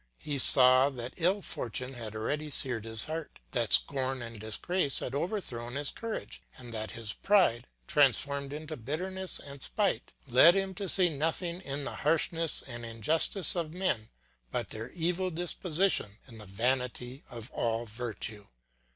He saw that ill fortune had already seared his heart, that scorn and disgrace had overthrown his courage, and that his pride, transformed into bitterness and spite, led him to see nothing in the harshness and injustice of men but their evil disposition and the vanity of all virtue.